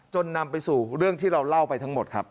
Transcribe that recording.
นำไปสู่เรื่องที่เราเล่าไปทั้งหมดครับ